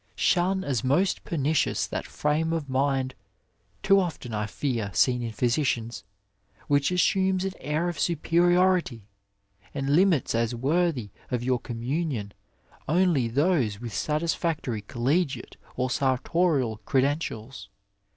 Shun as most pernicious that frame of mind, too often, I fear, seen in physicians, which assumes an air of superiority and limits as worthy of your communion only those with satisfactory collegiate or sartorial credentials.